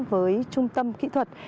với trung tâm kỹ thuật